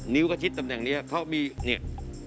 กระชิดตำแหน่งนี้เขามีเนี่ย